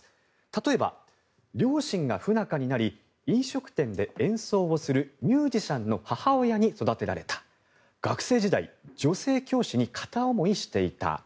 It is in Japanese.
例えば、両親が不仲になり飲食店で演奏をするミュージシャンの母親に育てられた学生時代女性教師に片思いしていた。